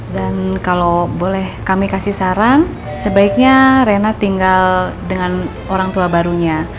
dan kalau boleh kami kasih saran sebaiknya reina tinggal dengan orang tua barunya